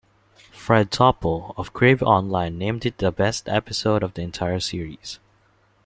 Fred Topel of Crave Online named it the best episode of the entire series.